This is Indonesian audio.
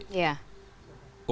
untuk demi kepastian hukum juga kan